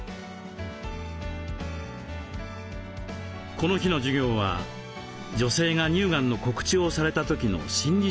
この日の授業は女性が乳がんの告知をされた時の心理状態について。